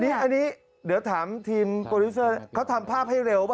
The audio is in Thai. อันนี้เดี๋ยวถามทีมโปรดิวเซอร์เขาทำภาพให้เร็วป่